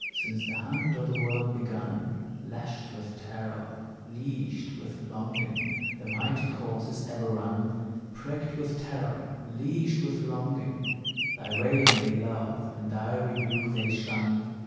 Since the hunt o' the world begun, Lashed with terror, leashed with longing, The mighty course is ever run; Pricked with terror, leashed with longing, Thy rein they love, and thy rebuke they shun.